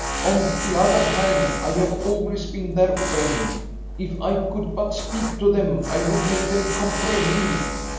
On the other hand, I have always been their friend. If I could but speak to them, I would make them comprehend.